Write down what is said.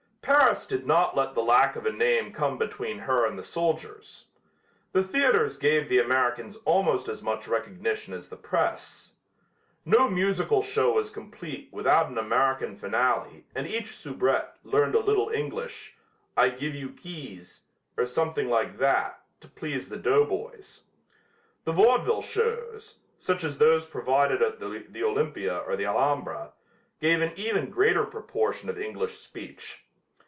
Paris did not let the lack of a name come between her and the soldiers. The theaters gave the Americans almost as much recognition as the press. No musical show was complete without an American finale and each soubrette learned a little English, "I give you kees," or something like that, to please the doughboys. The vaudeville shows, such as those provided at the Olympia or the Alhambra, gave an even greater proportion of English speech.